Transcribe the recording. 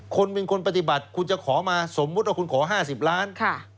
คุณเป็นคนปฏิบัติคุณจะขอมาสมมุติว่าคุณขอ๕๐ล้าน